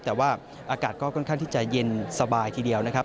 แต่ว่าอากาศก็ค่อนข้างที่จะเย็นสบายทีเดียวนะครับ